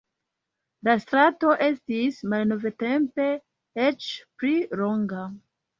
La strato estis malnovtempe eĉ pli longa.